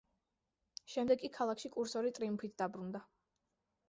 შემდეგ კი ქალაქში კურსორი ტრიუმფით დაბრუნდა.